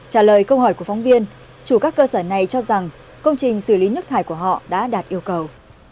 trả lời câu hỏi của phóng viên chủ các cơ sở này cho rằng công trình xử lý nước thải của họ đã đạt yêu cầu